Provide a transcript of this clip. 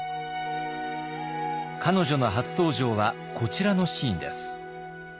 彼女の初登場はこちらのシーンです。